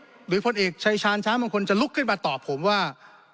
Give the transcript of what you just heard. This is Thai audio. หรือพลเอกชายชาญช้างบางคนจะลุกขึ้นมาตอบผมว่า